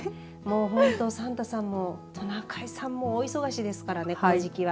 本当、サンタさんもトナカイさんも大忙しですからね、この時期は。